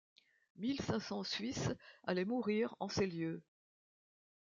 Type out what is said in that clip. Mille cinq cents Suisses allaient mourir en ces lieux.